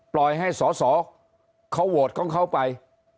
ปล่อยให้สอสอเขาโหวตของเขาไป